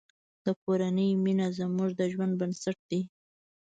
د کورنۍ مینه زموږ د ژوند بنسټ دی.